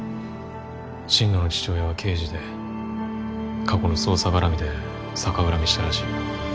心野の父親は刑事で過去の捜査絡みで逆恨みしたらしい。